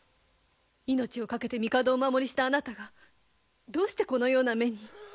命を懸けて帝をお守りしたあなたがどうしてこのような目に。